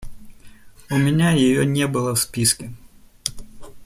У меня ее не было в списке.